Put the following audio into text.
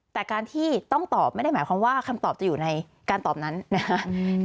แต่การที่ต้องตอบไม่ได้หมายความว่าคำตอบจะอยู่ในการตอบนั้นนะครับ